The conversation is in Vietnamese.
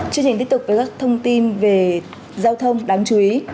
chương trình tiếp tục với các thông tin về giao thông đáng chú ý